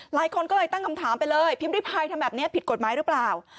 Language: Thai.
หลายคนก็เลยตั้งคำถามไปเลยพิมพ์ริพายทำแบบนี้ผิดกฎหมายหรือเปล่า